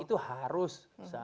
itu harus bisa